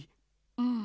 うん。